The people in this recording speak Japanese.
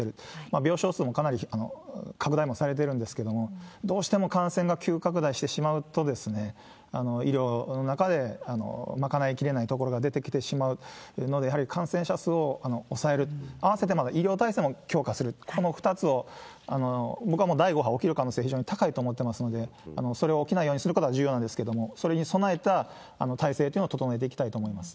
病床数もかなり拡大もされてるんですけれども、どうしても感染が急拡大してしまうと、医療の中で賄いきれないところが出てきてしまうので、やはり感染者数を抑える、併せて医療体制も強化する、この２つを、僕はもう第５波起きる可能性、非常に高いと思ってますので、それを起きないようにすることが重要なんですけれども、それに備えた体制というのを整えていきたいと思います。